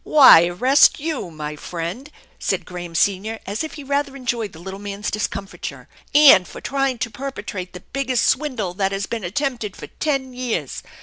" Why, arrest you, my friend," said Graham senior, as if he rather enjoyed the little man's discomfiture. "And for trying to perpetrate the biggest swindle that has been at tempted for ten years.